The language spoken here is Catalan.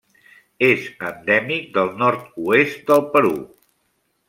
És endèmic del nord-oest del Perú.